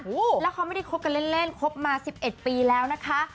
แล้วเขาไม่ได้คบกันเล่นคบมา๑๑ปีแล้วนะคะ